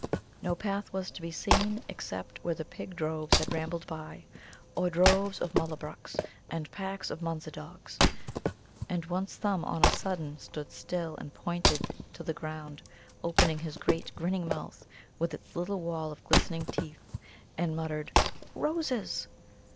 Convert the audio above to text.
No path was to be seen except where pig droves had rambled by, or droves of Mullabruks and packs of Munza dogs. And once Thumb, on a sudden, stood still, and pointed to the ground, opening his great grinning mouth, with its little wall of glistening teeth, and muttered, "Roses!"